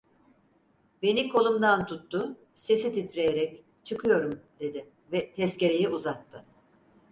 Beni kolumdan tuttu, sesi titreyerek: "Çıkıyorum!" dedi ve tezkereyi uzattı.